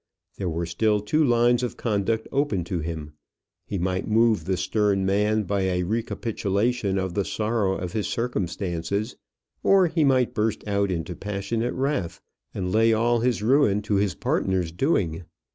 There were still two lines of conduct open to him. He might move the stern man by a recapitulation of the sorrow of his circumstances, or he might burst out into passionate wrath, and lay all his ruin to his partner's doing.